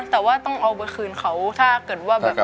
แต่ว่าต้องเอาเบอร์คืนเขาถ้าเกิดว่า